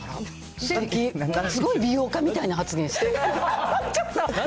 すごい美容家みたいな発言してる。